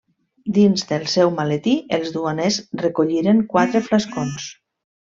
Dins del seu maletí els duaners recolliren quatre flascons.